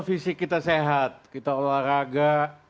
fisik kita sehat kita olahraga